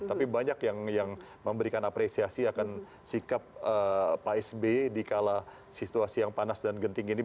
tapi banyak yang memberikan apresiasi akan sikap pak sby di kala situasi yang panas dan genting ini